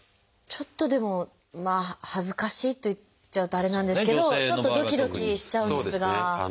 ちょっとでも恥ずかしいって言っちゃうとあれなんですけどちょっとどきどきしちゃうんですが。